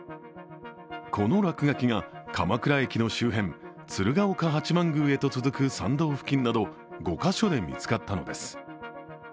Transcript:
この落書きが、鎌倉駅の周辺、鶴岡八幡宮へと続く参道付近など５カ所で見つかったのです。